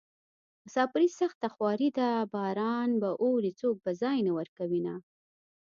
مساپري سخته خواري ده باران به اوري څوک به ځای نه ورکوينه